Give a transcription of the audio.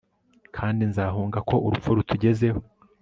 kandi nzahunga ko urupfu rutugezeho